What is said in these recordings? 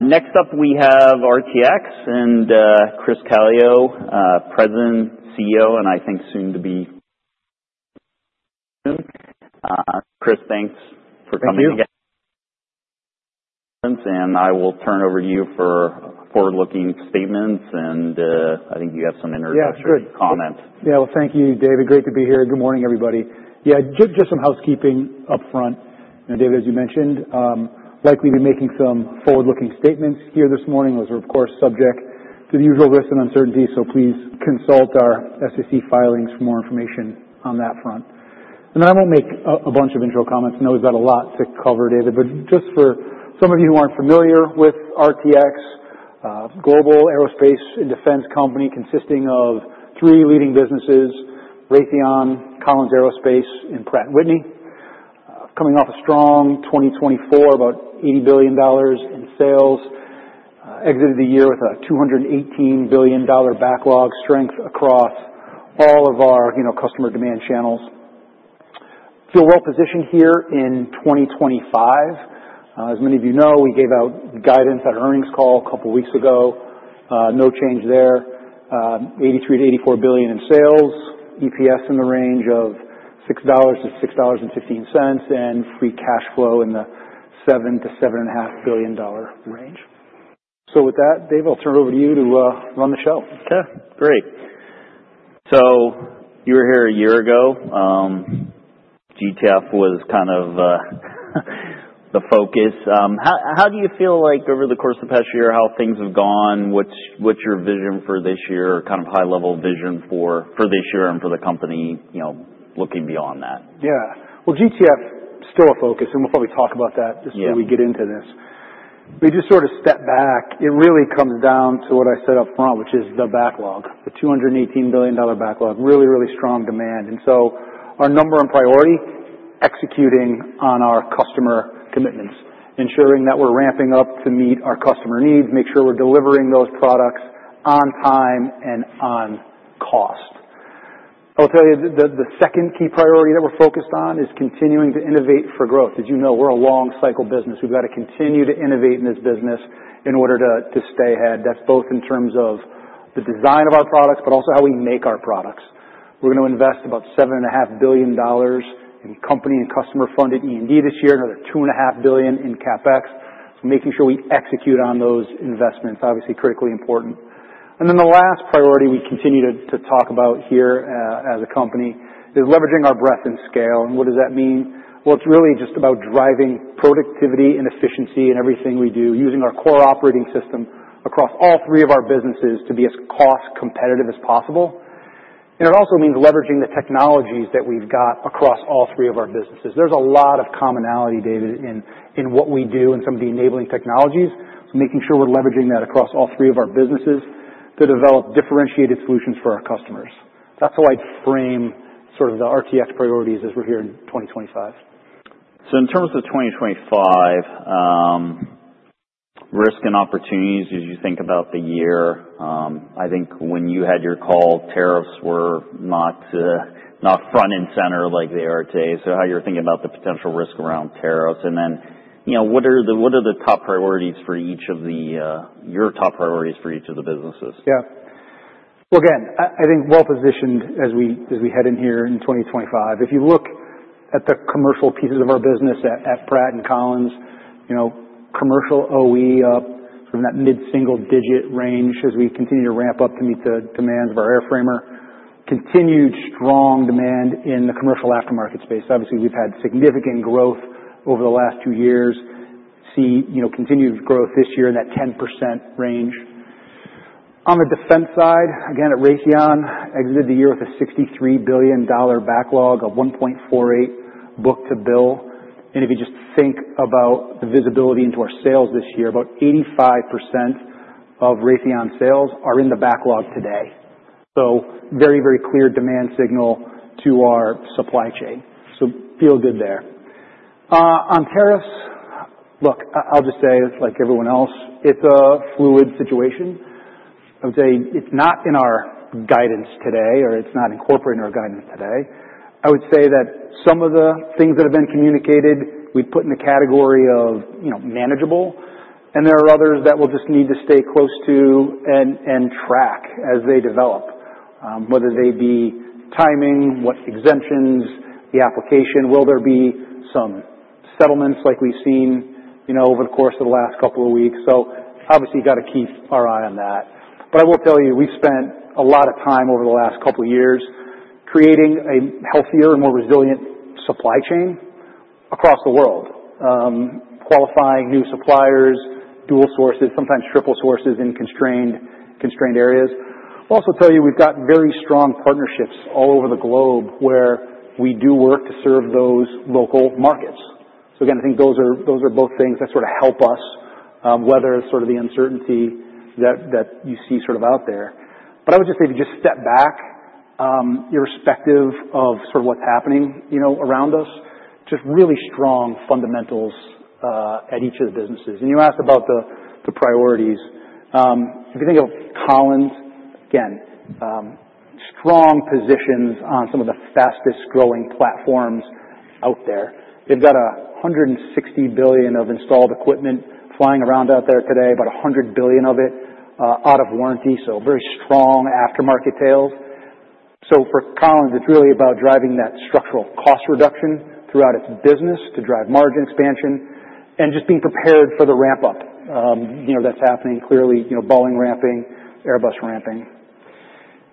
Next up we have RTX and, Chris Calio, President, CEO, and I think soon to be, Chris, thanks for coming again. Thank you. And I will turn over to you for forward-looking statements, and I think you have some introductions. Yeah, good. Comments. Yeah, well, thank you, David. Great to be here. Good morning, everybody. Yeah, just some housekeeping upfront. You know, David, as you mentioned, likely be making some forward-looking statements here this morning. Those are, of course, subject to the usual risk and uncertainty, so please consult our SEC filings for more information on that front. And then I won't make a bunch of intro comments. I know we've got a lot to cover, David, but just for some of you who aren't familiar with RTX, global aerospace and defense company consisting of three leading businesses: Raytheon, Collins Aerospace, and Pratt & Whitney. Coming off a strong 2024, about $80 billion in sales, exited the year with a $218 billion backlog, strength across all of our, you know, customer demand channels. Feel well-positioned here in 2025. As many of you know, we gave out guidance at our earnings call a couple weeks ago. No change there. $83 billion-$84 billion in sales, EPS in the range of $6-$6.15, and free cash flow in the $7 billion-$7.5 billion range. So with that, David, I'll turn it over to you to, run the show. Okay. Great. So you were here a year ago. GTF was kind of the focus. How do you feel like over the course of the past year how things have gone? What's your vision for this year, kind of high-level vision for this year and for the company, you know, looking beyond that? Yeah. Well, GTF's still a focus, and we'll probably talk about that. Yeah. Just when we get into this. We just sort of step back. It really comes down to what I said upfront, which is the backlog, the $218 billion backlog, really, really strong demand. And so our number one priority: executing on our customer commitments, ensuring that we're ramping up to meet our customer needs, make sure we're delivering those products on time and on cost. I'll tell you, the second key priority that we're focused on is continuing to innovate for growth. As you know, we're a long-cycle business. We've got to continue to innovate in this business in order to stay ahead. That's both in terms of the design of our products but also how we make our products. We're gonna invest about $7.5 billion in company and customer-funded E&D this year, another $2.5 billion in CapEx. Making sure we execute on those investments is obviously critically important. And then the last priority we continue to talk about here, as a company, is leveraging our breadth and scale. And what does that mean? Well, it's really just about driving productivity and efficiency in everything we do, using our core operating system across all three of our businesses to be as cost-competitive as possible. And it also means leveraging the technologies that we've got across all three of our businesses. There's a lot of commonality, David, in what we do and some of the enabling technologies, so making sure we're leveraging that across all three of our businesses to develop differentiated solutions for our customers. That's how I'd frame sort of the RTX priorities as we're here in 2025. In terms of 2025 risk and opportunities, as you think about the year, I think when you had your call, tariffs were not, not front and center like they are today. So how are you thinking about the potential risk around tariffs, and then, you know, what are your top priorities for each of the businesses? Yeah. Well, again, I think well-positioned as we head in here in 2025. If you look at the commercial pieces of our business at Pratt and Collins, you know, commercial OE up from that mid-single-digit range as we continue to ramp up to meet the demands of our airframer, continued strong demand in the commercial aftermarket space. Obviously, we've had significant growth over the last two years. See, you know, continued growth this year in that 10% range. On the defense side, again, at Raytheon, exited the year with a $63 billion backlog, a 1.48 book-to-bill. And if you just think about the visibility into our sales this year, about 85% of Raytheon sales are in the backlog today. So very, very clear demand signal to our supply chain. So feel good there. On tariffs, look, I'll just say like everyone else, it's a fluid situation. I would say it's not in our guidance today, or it's not incorporated in our guidance today. I would say that some of the things that have been communicated, we've put in the category of, you know, manageable, and there are others that we'll just need to stay close to and track as they develop, whether they be timing, what exemptions, the application, will there be some settlements like we've seen, you know, over the course of the last couple of weeks. So obviously, you gotta keep our eye on that. But I will tell you, we've spent a lot of time over the last couple of years creating a healthier and more resilient supply chain across the world, qualifying new suppliers, dual sources, sometimes triple sources in constrained areas. I'll also tell you, we've got very strong partnerships all over the globe where we do work to serve those local markets. So again, I think those are, those are both things that sort of help us weather sort of the uncertainty that you see sort of out there. But I would just say if you just step back, your perspective of sort of what's happening, you know, around us, just really strong fundamentals at each of the businesses. And you asked about the priorities. If you think of Collins, again, strong positions on some of the fastest-growing platforms out there. They've got $160 billion of installed equipment flying around out there today, about $100 billion of it out of warranty, so very strong aftermarket tails. So for Collins, it's really about driving that structural cost reduction throughout its business to drive margin expansion and just being prepared for the ramp-up, you know, that's happening clearly, you know, Boeing ramping, Airbus ramping.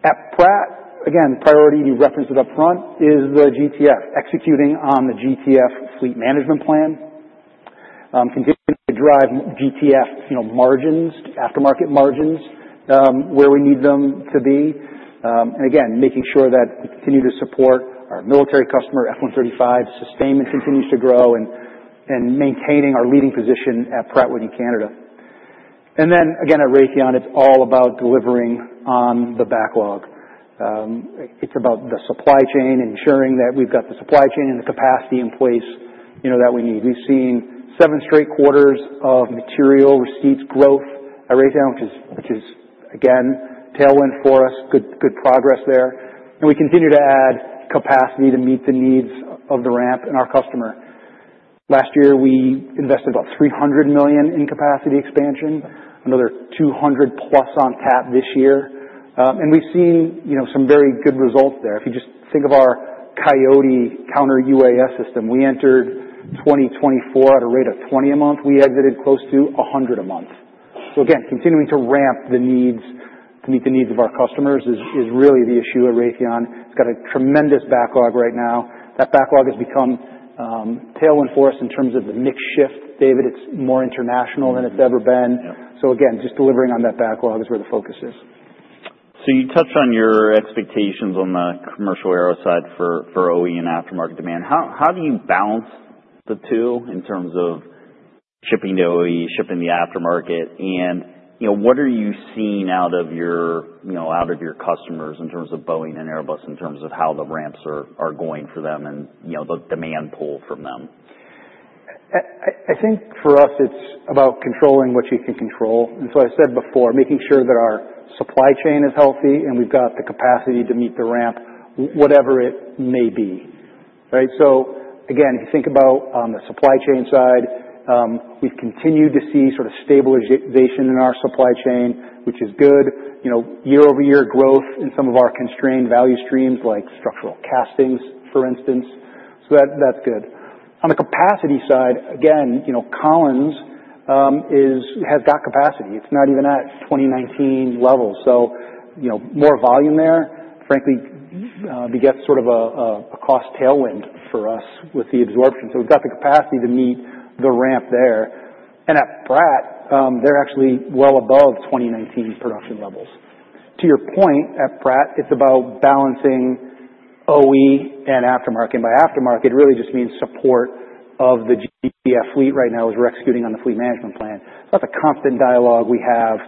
At Pratt, again, priority, you referenced it upfront, is the GTF, executing on the GTF fleet management plan, continuing to drive GTF, you know, margins, aftermarket margins, where we need them to be. And again, making sure that we continue to support our military customer, F135, sustainment continues to grow, and maintaining our leading position at Pratt & Whitney Canada. And then again, at Raytheon, it's all about delivering on the backlog. It's about the supply chain, ensuring that we've got the supply chain and the capacity in place, you know, that we need. We've seen seven straight quarters of material receipts growth at Raytheon, which is, again, tailwind for us, good, good progress there. And we continue to add capacity to meet the needs of the ramp and our customer. Last year, we invested about $300 million in capacity expansion, another $200+ on tap this year. And we've seen, you know, some very good results there. If you just think of our Coyote counter-UAS system, we entered 2024 at a rate of 20 a month. We exited close to 100 a month. So again, continuing to ramp the needs to meet the needs of our customers is really the issue at Raytheon. It's got a tremendous backlog right now. That backlog has become tailwind for us in terms of the mix shift. David, it's more international than it's ever been. Yeah. So again, just delivering on that backlog is where the focus is. You touched on your expectations on the commercial aerospace for OE and aftermarket demand. How do you balance the two in terms of shipping the OE, shipping the aftermarket, and, you know, what are you seeing out of your, you know, out of your customers in terms of Boeing and Airbus, in terms of how the ramps are going for them and, you know, the demand pool from them? I think for us, it's about controlling what you can control. I said before, making sure that our supply chain is healthy and we've got the capacity to meet the ramp, whatever it may be. Right? Again, if you think about the supply chain side, we've continued to see sort of stabilization in our supply chain, which is good. You know, year-over-year growth in some of our constrained value streams, like structural castings, for instance. That's good. On the capacity side, again, you know, Collins has got capacity. It's not even at 2019 levels. You know, more volume there, frankly, begets sort of a cost tailwind for us with the absorption. We've got the capacity to meet the ramp there. At Pratt, they're actually well above 2019 production levels. To your point, at Pratt, it's about balancing OE and aftermarket. And by aftermarket, it really just means support of the GTF fleet right now as we're executing on the fleet management plan. It's about the constant dialogue we have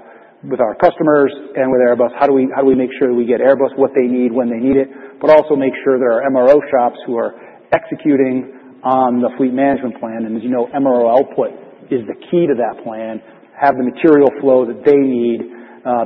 with our customers and with Airbus. How do we make sure that we get Airbus what they need when they need it, but also make sure there are MRO shops who are executing on the fleet management plan? And as you know, MRO output is the key to that plan, have the material flow that they need,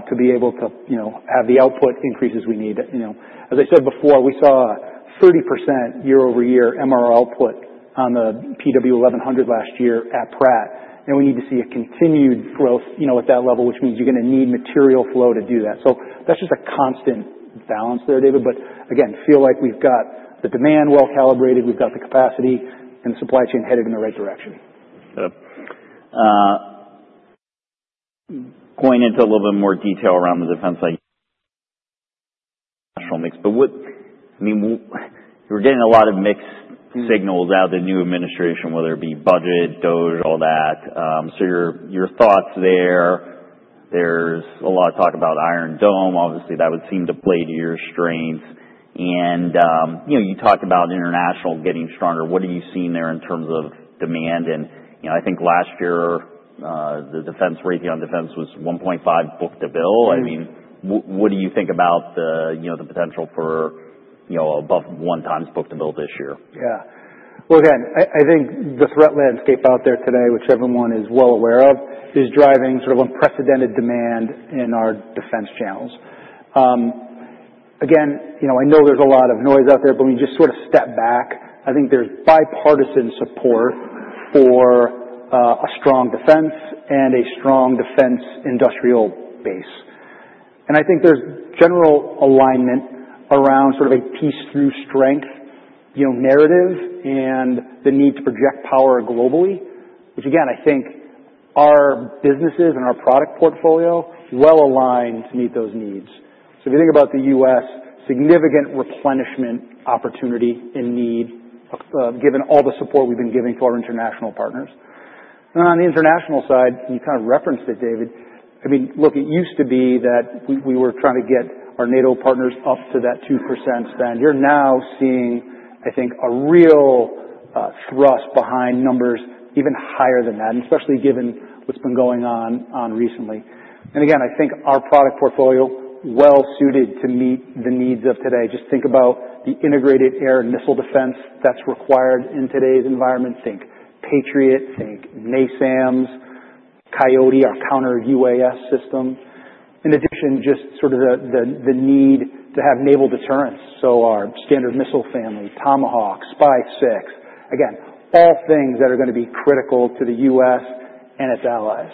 to be able to, you know, have the output increases we need. You know, as I said before, we saw a 30% year-over-year MRO output on the PW1100 last year at Pratt, and we need to see a continued growth, you know, at that level, which means you're gonna need material flow to do that. So that's just a constant balance there, David. But again, feel like we've got the demand well-calibrated, we've got the capacity, and the supply chain headed in the right direction. Yep. Going into a little bit more detail around the defense mix, but what, I mean, what you were getting a lot of mixed signals out of the new administration, whether it be budget, DOGE, all that. Your thoughts there, there's a lot of talk about Iron Dome. Obviously, that would seem to play to your strengths. And, you know, you talked about international getting stronger. What are you seeing there in terms of demand? And, you know, I think last year, the defense, Raytheon defense was 1.5 book-to-bill. I mean, what do you think about the, you know, the potential for, you know, above one times book-to-bill this year? Yeah. Well, again, I think the threat landscape out there today, which everyone is well aware of, is driving sort of unprecedented demand in our defense channels. Again, you know, I know there's a lot of noise out there, but when you just sort of step back, I think there's bipartisan support for a strong defense and a strong defense industrial base. And I think there's general alignment around sort of a peace through strength, you know, narrative and the need to project power globally, which again, I think our businesses and our product portfolio well align to meet those needs. So if you think about the U.S., significant replenishment opportunity and need, given all the support we've been giving to our international partners. On the international side, and you kind of referenced it, David, I mean, look, it used to be that we were trying to get our NATO partners up to that 2% spend. You're now seeing, I think, a real thrust behind numbers even higher than that, and especially given what's been going on recently. I think our product portfolio well-suited to meet the needs of today. Just think about the integrated air and missile defense that's required in today's environment. Think Patriot, think NASAMS, Coyote, our counter-UAS system. In addition, just sort of the need to have naval deterrence. Our Standard Missile family, Tomahawk, SPY-6, again, all things that are gonna be critical to the U.S. and its allies.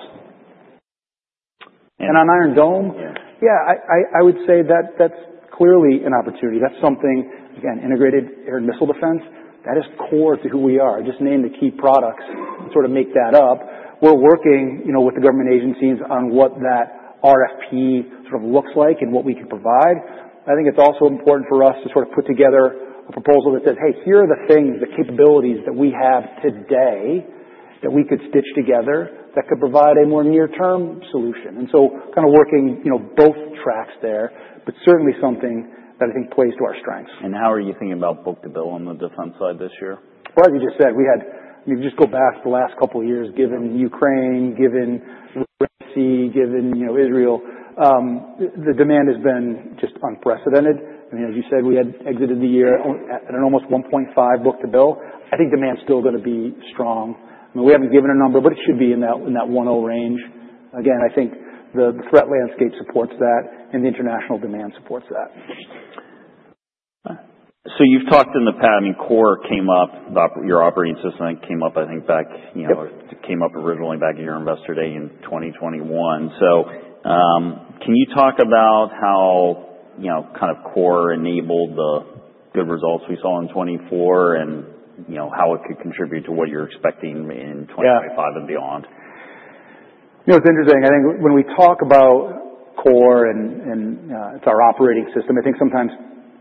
On Iron Dome. Yeah. Yeah, I would say that that's clearly an opportunity. That's something, again, integrated air and missile defense. That is core to who we are. I just named the key products and sort of made that up. We're working, you know, with the government agencies on what that RFP sort of looks like and what we can provide. I think it's also important for us to sort of put together a proposal that says, "Hey, here are the things, the capabilities that we have today that we could stitch together that could provide a more near-term solution", and so kind of working, you know, both tracks there, but certainly something that I think plays to our strengths. How are you thinking about book-to-bill on the defense side this year? As you just said, we had, I mean, if you just go back the last couple of years, given Ukraine, given Russia, given, you know, Israel, the demand has been just unprecedented. I mean, as you said, we had exited the year at an almost 1.5 book-to-bill. I think demand's still gonna be strong. I mean, we haven't given a number, but it should be in that, in that 1.0 range. Again, I think the threat landscape supports that, and the international demand supports that. So you've talked in the past, I mean, core came up, your operating system, I think, came up, I think, back, you know, it came up originally back at your investor day in 2021. So, can you talk about how, you know, kind of core enabled the good results we saw in 2024 and, you know, how it could contribute to what you're expecting in 2025 and beyond? Yeah. You know, it's interesting. I think when we talk about Core and it's our operating system, I think sometimes,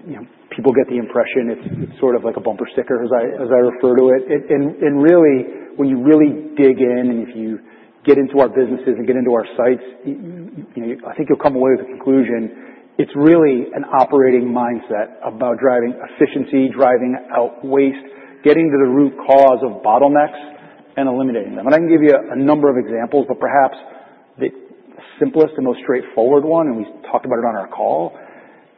you know, people get the impression it's sort of like a bumper sticker, as I refer to it. And really, when you really dig in and if you get into our businesses and get into our sites, you know, I think you'll come away with the conclusion it's really an operating mindset about driving efficiency, driving out waste, getting to the root cause of bottlenecks and eliminating them. And I can give you a number of examples, but perhaps the simplest and most straightforward one, and we talked about it on our call,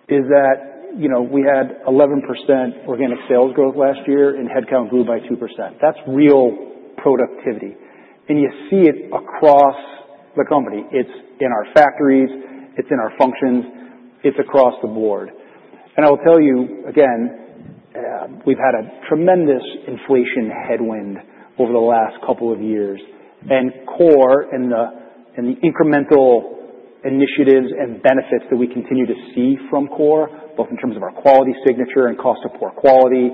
is that, you know, we had 11% organic sales growth last year, and headcount grew by 2%. That's real productivity. And you see it across the company. It's in our factories, it's in our functions, it's across the board. And I will tell you, again, we've had a tremendous inflation headwind over the last couple of years. And Core and the incremental initiatives and benefits that we continue to see from Core, both in terms of our quality signature and cost of poor quality,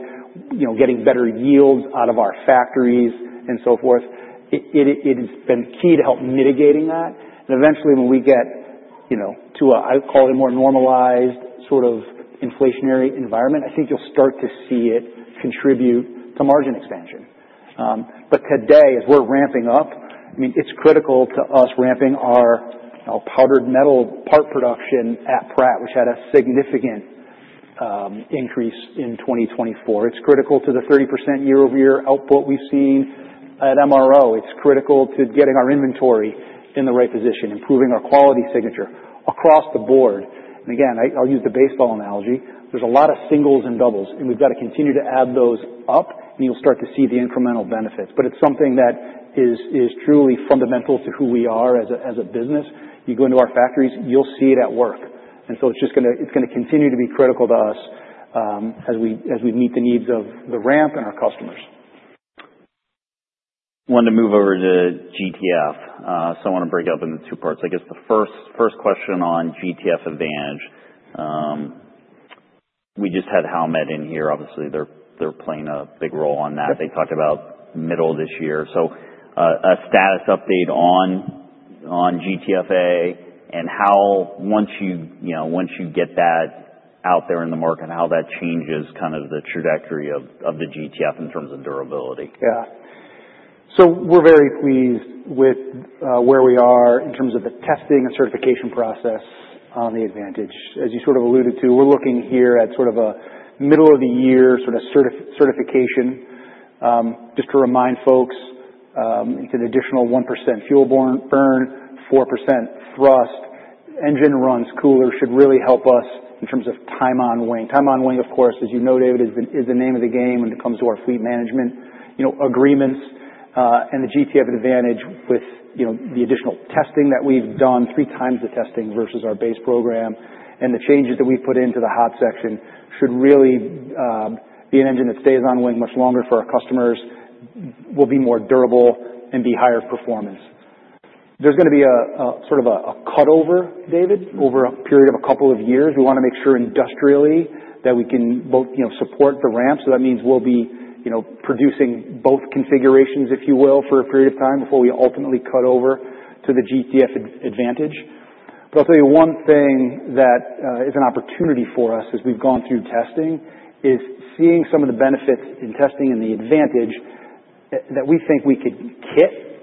you know, getting better yields out of our factories and so forth, it has been key to help mitigating that. And eventually, when we get, you know, to a, I would call it a more normalized sort of inflationary environment, I think you'll start to see it contribute to margin expansion. But today, as we're ramping up, I mean, it's critical to us ramping our powder metal part production at Pratt, which had a significant increase in 2024. It's critical to the 30% year-over-year output we've seen at MRO. It's critical to getting our inventory in the right position, improving our quality signature across the board. And again, I, I'll use the baseball analogy. There's a lot of singles and doubles, and we've got to continue to add those up, and you'll start to see the incremental benefits. But it's something that is truly fundamental to who we are as a business. You go into our factories, you'll see it at work. And so it's just gonna continue to be critical to us, as we meet the needs of the ramp and our customers. Wanted to move over to GTF, so I want to break it up into two parts. I guess the first question on GTF Advantage. We just had Howmet in here. Obviously, they're playing a big role on that. They talked about middle of this year, so a status update on GTFA and how, once you, you know, once you get that out there in the market, how that changes kind of the trajectory of the GTF in terms of durability. Yeah. So we're very pleased with where we are in terms of the testing and certification process on the Advantage. As you sort of alluded to, we're looking here at sort of a middle-of-the-year sort of certification. Just to remind folks, it's an additional 1% fuel burn, 4% thrust. Engine runs cooler should really help us in terms of time on wing. Time on wing, of course, as you know, David, is the name of the game when it comes to our fleet management, you know, agreements. And the GTF Advantage with, you know, the additional testing that we've done, three times the testing versus our base program, and the changes that we've put into the hot section should really be an engine that stays on wing much longer for our customers, will be more durable and be higher performance. There's gonna be a sort of cutover, David, over a period of a couple of years. We want to make sure industrially that we can both, you know, support the ramp. So that means we'll be, you know, producing both configurations, if you will, for a period of time before we ultimately cut over to the GTF Advantage. But I'll tell you one thing that is an opportunity for us as we've gone through testing is seeing some of the benefits in testing and the advantage that we think we could kit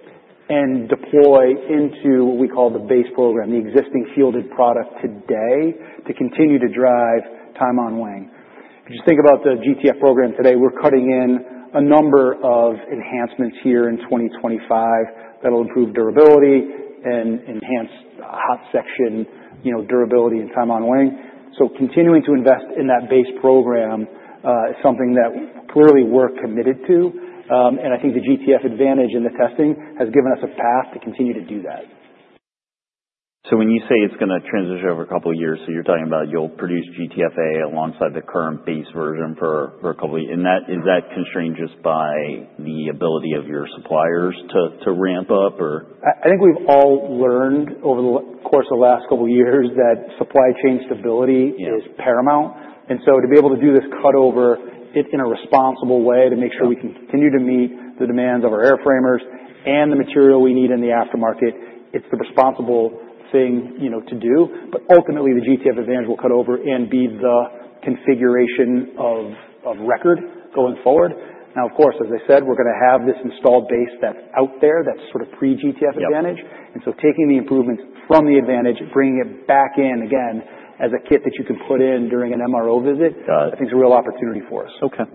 and deploy into what we call the base program, the existing fielded product today to continue to drive time on wing. If you just think about the GTF program today, we're cutting in a number of enhancements here in 2025 that'll improve durability and enhance hot section, you know, durability and time on wing. So continuing to invest in that base program, is something that clearly we're committed to. And I think the GTF Advantage and the testing has given us a path to continue to do that. So when you say it's gonna transition over a couple of years, so you're talking about you'll produce GTFA alongside the current base version for a couple of years. Is that constrained just by the ability of your suppliers to ramp up or? I think we've all learned over the course of the last couple of years that supply chain stability. Yeah. Is paramount. And so to be able to do this cutover in a responsible way to make sure we can continue to meet the demands of our airframers and the material we need in the aftermarket, it's the responsible thing, you know, to do. But ultimately, the GTF Advantage will cut over and be the configuration of record going forward. Now, of course, as I said, we're gonna have this installed base that's out there that's sort of pre-GTF Advantage. Yeah. Taking the improvements from the Advantage, bringing it back in again as a kit that you can put in during an MRO visit. Got it. I think it's a real opportunity for us. Okay.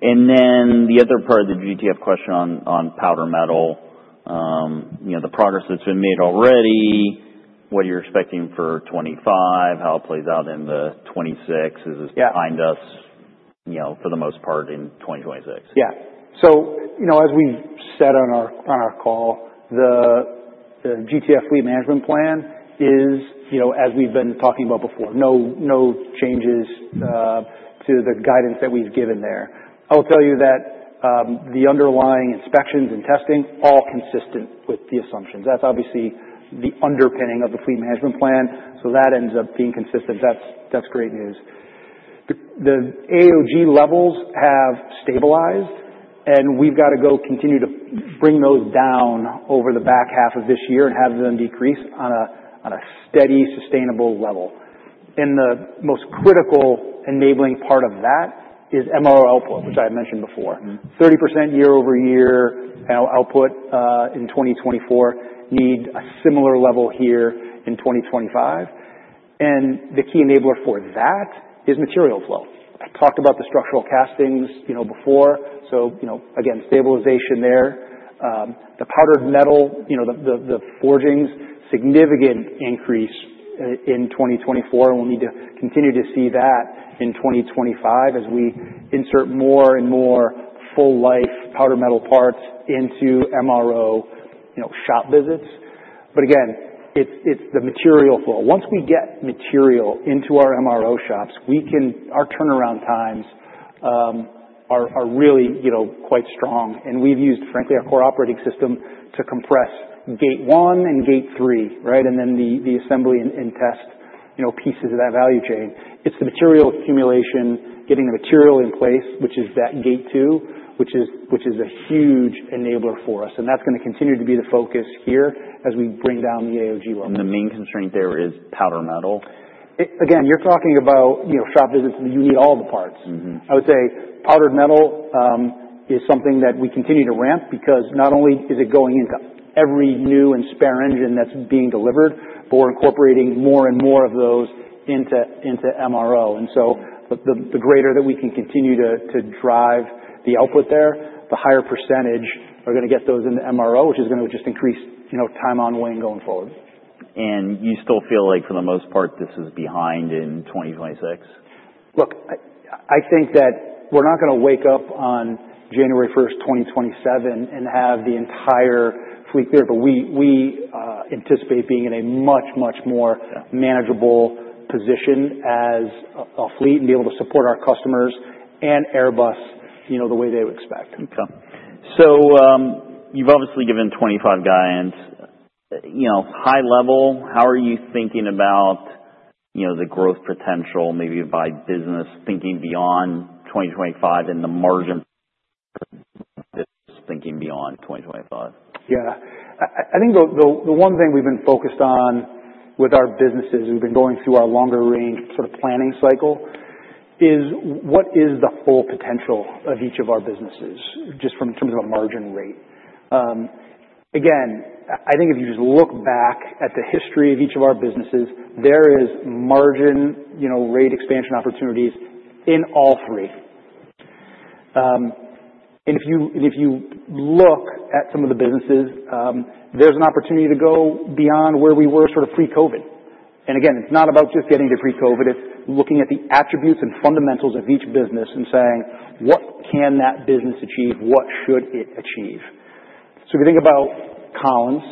And then the other part of the GTF question on, on powder metal, you know, the progress that's been made already, what are you expecting for 2025, how it plays out in the 2026? Is this behind us, you know, for the most part in 2026? Yeah. So, you know, as we've said on our call, the GTF fleet management plan is, you know, as we've been talking about before, no changes to the guidance that we've given there. I will tell you that the underlying inspections and testing are all consistent with the assumptions. That's obviously the underpinning of the fleet management plan. So that ends up being consistent. That's great news. The AOG levels have stabilized, and we've got to continue to bring those down over the back half of this year and have them decrease on a steady, sustainable level. The most critical enabling part of that is MRO output, which I had mentioned before. 30% year-over-year output in 2024 needs a similar level here in 2025. The key enabler for that is materials, well. I talked about the structural castings, you know, before, so you know, again, stabilization there. The powder metal, you know, the forgings, significant increase in 2024, and we'll need to continue to see that in 2025 as we insert more and more full-life powder metal parts into MRO, you know, shop visits, but again, it's the material flow. Once we get material into our MRO shops, we can, our turnaround times, are really, you know, quite strong, and we've used, frankly, our core operating system to compress gate one and gate three, right, and then the assembly and test, you know, pieces of that value chain. It's the material accumulation, getting the material in place, which is that gate two, which is a huge enabler for us. That's gonna continue to be the focus here as we bring down the AOG level. The main constraint there is powder metal. Again, you're talking about, you know, shop visits, you need all the parts. Mm-hmm. I would say powder metal is something that we continue to ramp because not only is it going into every new and spare engine that's being delivered, but we're incorporating more and more of those into MRO. And so the greater that we can continue to drive the output there, the higher percentage we're gonna get those in the MRO, which is gonna just increase, you know, time on wing going forward. You still feel like for the most part this is behind in 2026? Look, I think that we're not gonna wake up on January 1st, 2027 and have the entire fleet there. But we anticipate being in a much, much more manageable position as a fleet and be able to support our customers and Airbus, you know, the way they would expect. Okay. So, you've obviously given 2025 guidance. You know, high level, how are you thinking about, you know, the growth potential maybe by business thinking beyond 2025 and the margin business thinking beyond 2025? Yeah. I think the one thing we've been focused on with our businesses and we've been going through our longer range sort of planning cycle is what is the full potential of each of our businesses just from in terms of a margin rate. Again, I think if you just look back at the history of each of our businesses, there is margin, you know, rate expansion opportunities in all three. And if you look at some of the businesses, there's an opportunity to go beyond where we were sort of pre-COVID. And again, it's not about just getting to pre-COVID. It's looking at the attributes and fundamentals of each business and saying, "What can that business achieve? What should it achieve?" So if you think about Collins,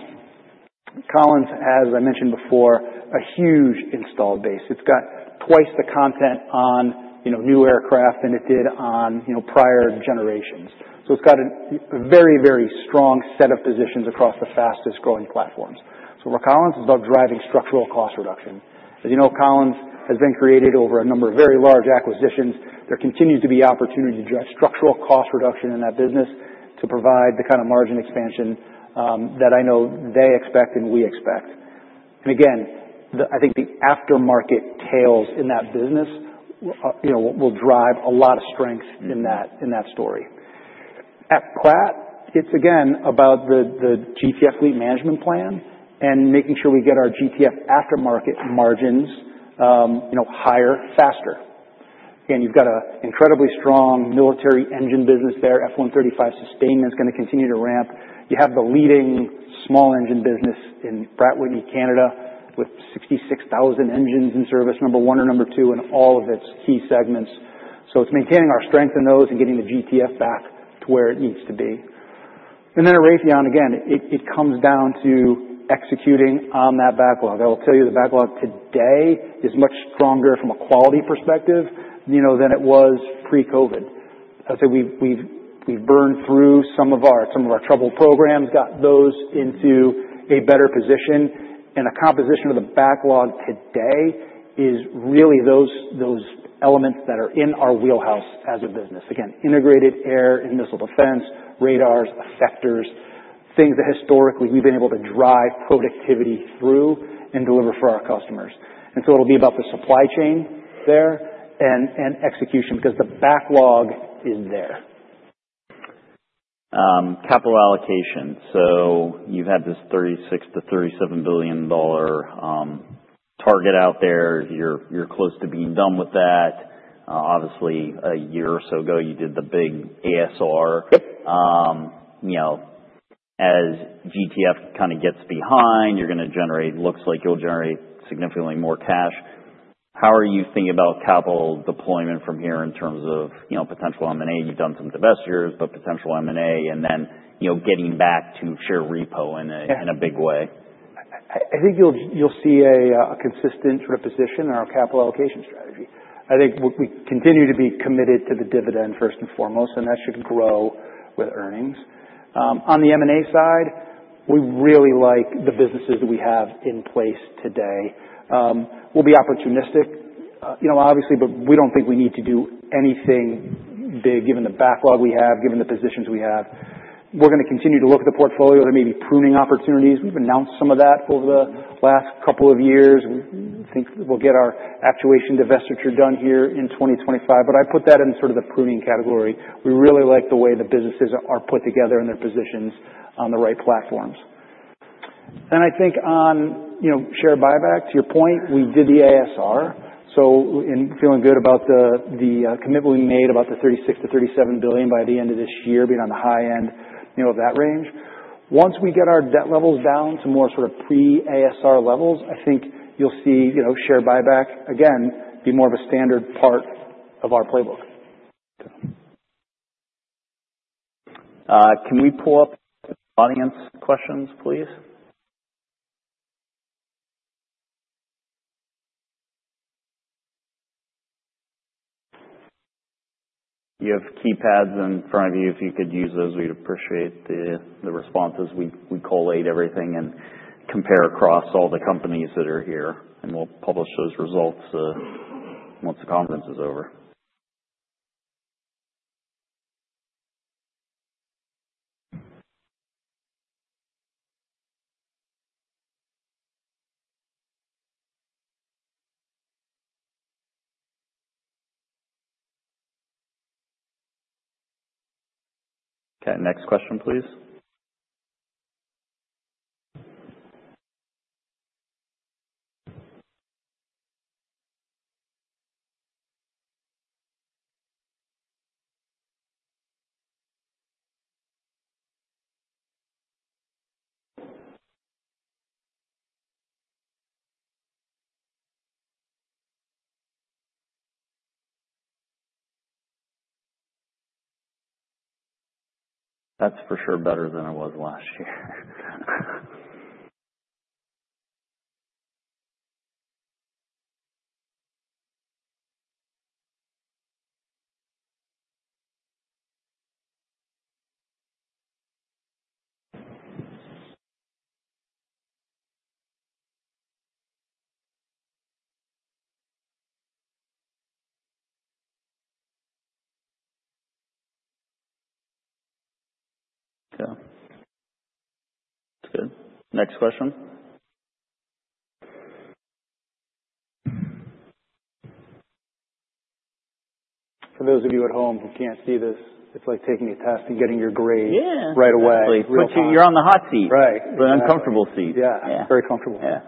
Collins has, as I mentioned before, a huge installed base. It's got twice the content on, you know, new aircraft than it did on, you know, prior generations, so it's got a very, very strong set of positions across the fastest growing platforms. So for Collins, it's about driving structural cost reduction. As you know, Collins has been created over a number of very large acquisitions. There continues to be opportunity to drive structural cost reduction in that business to provide the kind of margin expansion that I know they expect and we expect, and again, the, I think the aftermarket tails in that business, you know, will drive a lot of strength in that, in that story. At Pratt, it's again about the, the GTF fleet management plan and making sure we get our GTF aftermarket margins, you know, higher, faster, and you've got an incredibly strong military engine business there. F-135 sustainment is gonna continue to ramp. You have the leading small engine business in Pratt & Whitney Canada with 66,000 engines in service, number one or number two in all of its key segments. So it's maintaining our strength in those and getting the GTF back to where it needs to be. And then at Raytheon, again, it comes down to executing on that backlog. I will tell you the backlog today is much stronger from a quality perspective, you know, than it was pre-COVID. I would say we've burned through some of our trouble programs, got those into a better position. And the composition of the backlog today is really those elements that are in our wheelhouse as a business. Again, integrated air and missile defense, radars, effectors, things that historically we've been able to drive productivity through and deliver for our customers. And so it'll be about the supply chain there and execution because the backlog is there. Capital allocation. So you've had this $36 billion-$37 billion target out there. You're close to being done with that. Obviously, a year or so ago, you did the big ASR. Yep. You know, as GTF kind of gets behind, you're gonna generate, looks like you'll generate significantly more cash. How are you thinking about capital deployment from here in terms of, you know, potential M&A? You've done some divestitures, but potential M&A and then, you know, getting back to share repo in a, in a big way. I think you'll see a consistent sort of position in our capital allocation strategy. I think we continue to be committed to the dividend first and foremost, and that should grow with earnings. On the M&A side, we really like the businesses that we have in place today. We'll be opportunistic, you know, obviously, but we don't think we need to do anything big given the backlog we have, given the positions we have. We're gonna continue to look at the portfolio. There may be pruning opportunities. We've announced some of that over the last couple of years. We think we'll get our actuation divestiture done here in 2025. But I put that in sort of the pruning category. We really like the way the businesses are put together and their positions on the right platforms. I think on, you know, share buyback, to your point, we did the ASR. So, I'm feeling good about the commitment we made about the $36 billion-$37 billion by the end of this year, being on the high end, you know, of that range. Once we get our debt levels down to more sort of pre-ASR levels, I think you'll see, you know, share buyback again be more of a standard part of our playbook. Okay. Can we pull up audience questions, please? You have keypads in front of you. If you could use those, we'd appreciate the responses. We collate everything and compare across all the companies that are here, and we'll publish those results, once the conference is over. Okay. Next question, please. That's for sure better than it was last year. Okay. That's good. Next question. For those of you at home who can't see this, it's like taking a test and getting your grade. Yeah. Right away. Absolutely. You're on the hot seat. Right. The uncomfortable seat. Yeah. Yeah. Very comfortable. Yeah.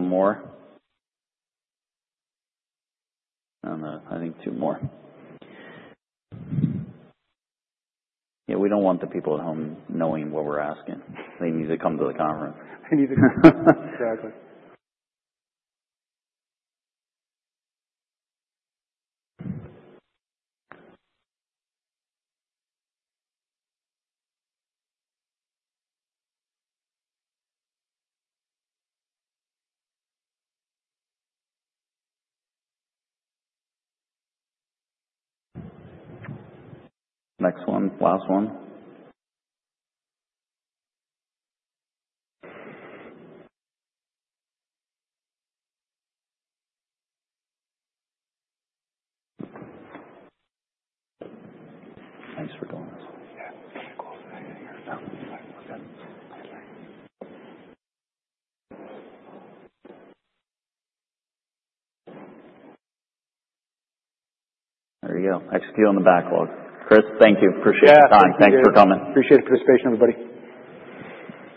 Okay. I think we have one more, and I think two more. Yeah. We don't want the people at home knowing what we're asking. They need to come to the conference. They need to come. Exactly. Next one. Last one. Okay. There you go. Execute on the backlog. Chris, thank you. Appreciate your time. Yeah. Thanks for coming. Appreciate the participation, everybody.